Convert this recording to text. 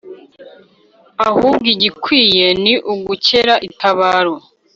Ahubwo igikwiye ni ugukera itabaro